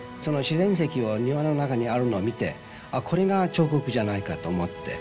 自然石を庭の中にあるのを見て「あっこれが彫刻じゃないか」と思って。